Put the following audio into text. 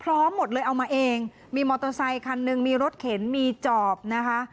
พร้อมหมดเลยเอามาเองมีมอเตอร์ไซคันหนึ่งมีรถเข็นมีจอบนะคะ